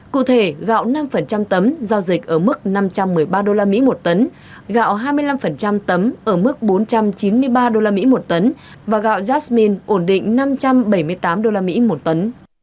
cụ thể gạo năm tấm giao dịch ở mức năm trăm một mươi ba usd một tấn gạo hai mươi năm tấm ở mức bốn trăm chín mươi ba usd một tấn và gạo jasmine ổn định năm trăm bảy mươi tám usd một tấn